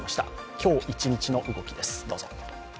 今日一日の動きです。